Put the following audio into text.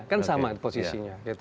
kan sama posisinya